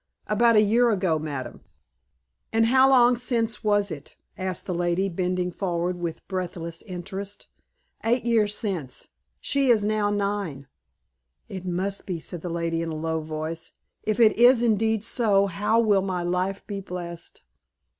"About a year old, madam." "And how long since was it?" asked the lady, bending forward with breathless interest. "Eight years since. She is now nine." "It must be," said the lady, in a low voice. "If it is indeed so, how will my life be blessed!"